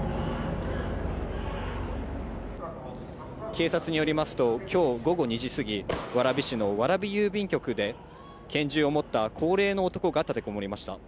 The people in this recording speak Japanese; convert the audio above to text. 警察によりますと、きょう午後２時過ぎ、蕨市の蕨郵便局で拳銃を持った高齢の男が立てこもりました。